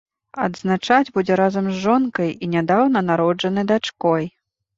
Адзначаць будзе разам з жонкай і нядаўна народжанай дачкой.